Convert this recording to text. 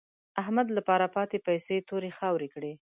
احمد له پاره پاتې پيسې تورې خاورې کړې.